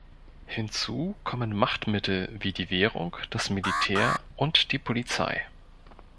Hinzu kommen Machtmittel wie die Währung, das Militär und die Polizei.